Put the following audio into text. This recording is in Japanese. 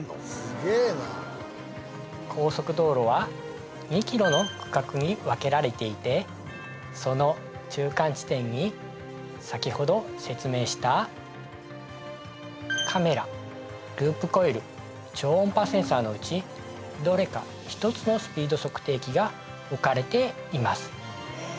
すげえな高速道路は２ｋｍの区画に分けられていてその中間地点に先ほど説明したカメラループコイル超音波センサーのうちどれか一つのスピード測定器が置かれています